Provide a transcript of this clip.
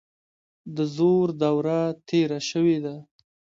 د زور دوره تیره شوې ده.